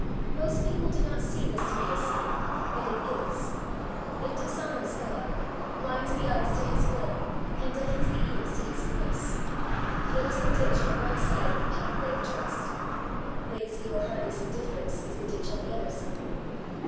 Most people do not see this to be a sin, but it is. It dishonours God, blinds the eyes to His will, and deafens the ears to H is voice. It is the ditch on one side of the pathway of trust. Lazy or heartless indifference is the ditch on the other side.